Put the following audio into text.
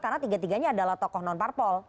karena tiga tiganya adalah tokoh non parpol